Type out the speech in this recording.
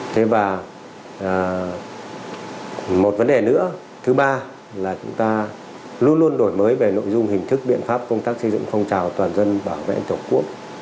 thế và một vấn đề nữa thứ ba là chúng ta luôn luôn đổi mới về nội dung hình thức biện pháp công tác xây dựng phong trào toàn dân bảo vệ tổ quốc